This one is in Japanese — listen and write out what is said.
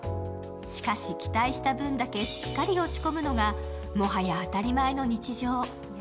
しかし、期待した分だけしっかり落ち込むのが、もはや当たり前の日常。